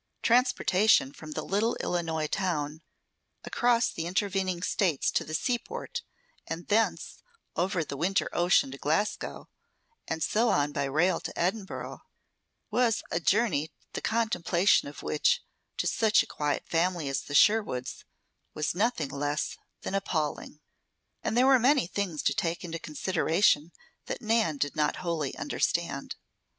Transportation from the little Illinois town, across the intervening states to the seaport, and thence, over the winter ocean to Glasgow, and so on by rail to Edinburgh, was a journey the contemplation of which, to such a quiet family as the Sherwoods, was nothing less than appalling. And there were many things to take into consideration that Nan did not wholly understand.